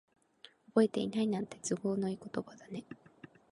覚えてないなんて、都合のいい言葉だね。